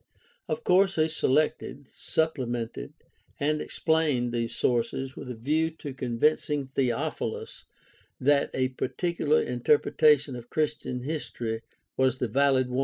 Of course he selected, supplemented, and explained these sources with a view to convincing Theophilus that a particular interpretation of Christian history was the valid one (Acts 1:1; cf.